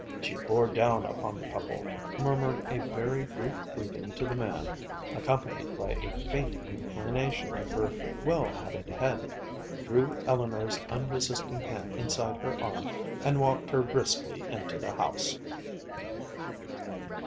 She bore down upon the couple, murmured a very brief greeting to the man, accompanied by a faint inclination of her well hatted head, drew Eleanor's unresisting hand inside her arm, and walked her briskly into the house.